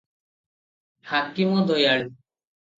ହାକିମ ଦୟାଳୁ ।